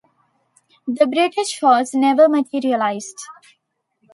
The British force never materialized.